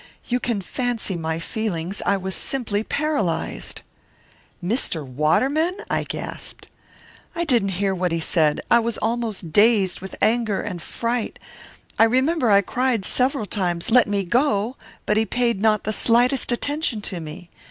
"You can fancy my feelings. I was simply paralysed! "Mr. Waterman?' I gasped. "I didn't hear what he said; I was almost dazed with anger and fright. I remember I cried several times, 'Let me go!' but he paid not the slightest attention to me.